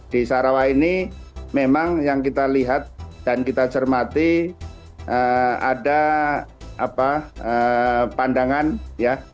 di sarawah ini memang yang kita lihat dan kita cermati ada pandangan ya